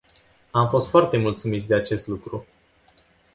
Am fost foarte mulțumiți de acest lucru.